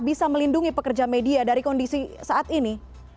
bisa melindungi pekerja media dari kondisi saat ini